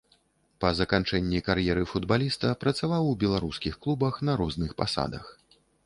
Па заканчэнні кар'еры футбаліста працаваў у беларускіх клубах на розных пасадах.